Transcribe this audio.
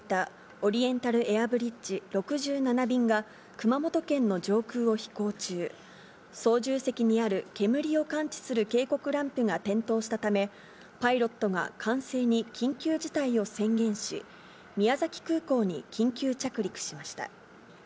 オリエンタルエアブリッジ６７便が、熊本県の上空を飛行中、操縦席にある煙を感知する警告ランプが点灯したため、パイロットが管制に緊急事態を宣言し、宮崎空港に緊急着陸しました。